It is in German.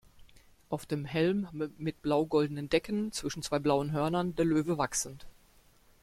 Auf dem Helm mit blau-goldenen Decken, zwischen zwei blauen Hörnern, der Löwe wachsend.